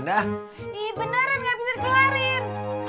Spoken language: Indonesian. beneran gak bisa dikeluarin